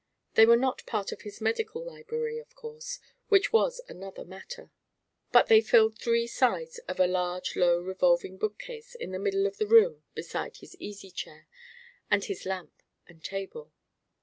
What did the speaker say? They were not part of his medical library, of course, which was another matter. But they filled three sides of a large low revolving bookcase in the middle of the room beside his easy chair and his lamp and table.